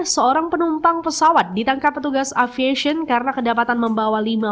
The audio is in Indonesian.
seorang penumpang pesawat ditangkap petugas aviation karena kedapatan membawa